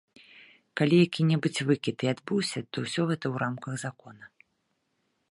Калі які-небудзь выкід і адбыўся, то ўсё гэта ў рамках закона.